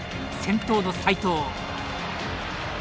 先頭の斉藤。